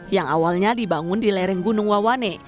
yang awalnya dibangun di lereng gunung wawane